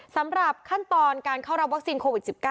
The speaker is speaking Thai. สำหรับขั้นตอนการเข้ารับวัคซีนโควิด๑๙